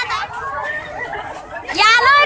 กลับมาที่นี่